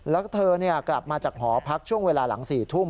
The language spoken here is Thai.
แล้วเธอกลับมาจากหอพักช่วงเวลาหลัง๔ทุ่ม